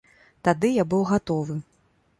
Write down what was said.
Тады я быў гатовы.